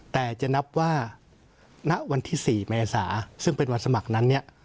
แต่จะนับว่าณวันที่๔เมษาซึ่งเป็นวันสมัครนั้นเนี่ย